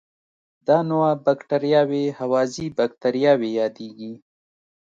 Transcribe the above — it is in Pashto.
دا نوعه بکټریاوې هوازی باکتریاوې یادیږي.